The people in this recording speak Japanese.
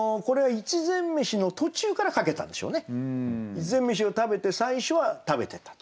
一膳めしを食べて最初は食べてたと。